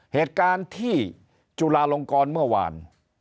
เหตุการณ์ที่จุฬาลงกรเมื่อวาน